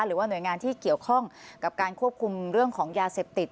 หรือว่าหน่วยงานที่เกี่ยวข้องกับการควบคุมเรื่องของยาเสพติด